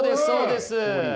そうです。